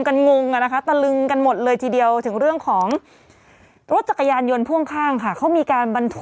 อ่าไปดีกว่าค่ะ